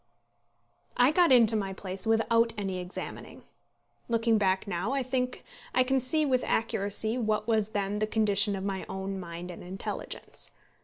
I got into my place without any examining. Looking back now, I think I can see with accuracy what was then the condition of my own mind and intelligence.